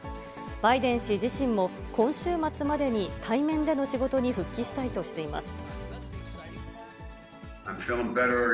バイデン氏自身も、今週末までに対面での仕事に復帰したいとしています。